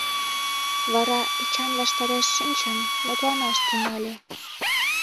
Вара, Эчан ваштареш шинчын, мутланаш тӱҥале.